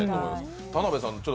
田辺さん